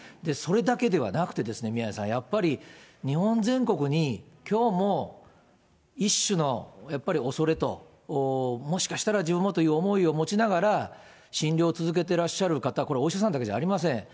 それだけではなくて、宮根さん、やっぱり、日本全国にきょうも一種の、やっぱり恐れと、もしかしたら自分もという思いを持ちながら、診療を続けてらっしゃる方、これ、お医者さんだけではありません。